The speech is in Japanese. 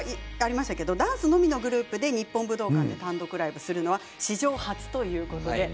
ダンスのみのグループで日本武道館での単独ライブは史上初ということなんです。